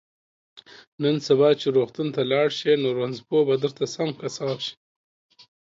نن سبا چې روغتون ته لاړ شي نو رنځپوه به درته سم قصاب شي